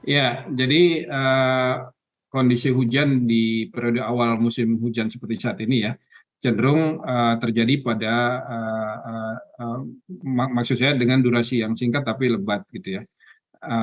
ya jadi kondisi hujan di periode awal musim hujan seperti saat ini ya cenderung terjadi pada maksud saya dengan durasi yang singkat tapi lebat gitu ya